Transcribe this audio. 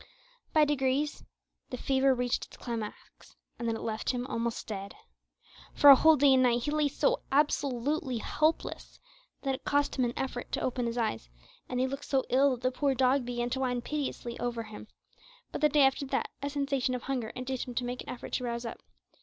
By degrees the fever reached its climax, and then left him almost dead. For a whole day and night he lay so absolutely helpless that it cost him an effort to open his eyes, and he looked so ill that the poor dog began to whine piteously over him, but the day after that a sensation of hunger induced him to make an effort to rouse up.